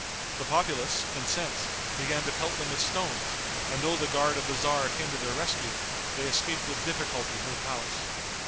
The populace, incensed, began to pelt them with stones, and though the guard of the tzar came to their rescue, they escaped with difficulty to the palace.